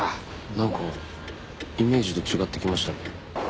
なんかイメージと違ってきましたね。